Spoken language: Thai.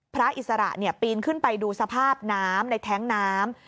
อิสระปีนขึ้นไปดูสภาพน้ำในแท้งน้ำ